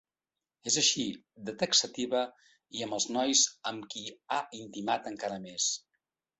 És així de taxativa i amb els nois amb qui ha intimat encara més.